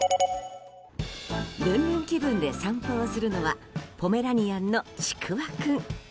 ルンルン気分で散歩をするのはポメラニアンのちくわ君。